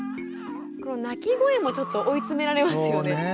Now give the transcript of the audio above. この泣き声もちょっと追い詰められますよね。